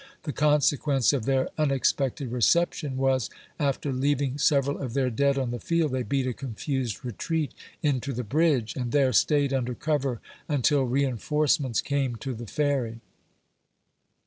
The consequence of their unex pected reception was, after leaving several of their dead on the field, they beat a confused retreat into the bridge, and there stayed under cover until reinforcements came to the Ferry.